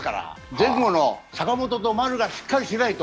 前後の坂本と丸がしっかりしていないと。